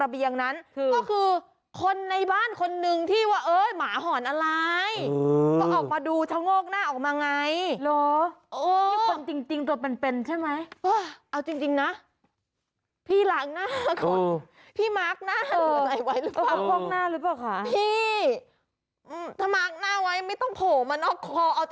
เอาจริงคนในบ้านนะ